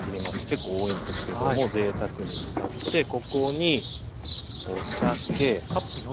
結構多いんですけどもぜいたくに使ってここにお酒。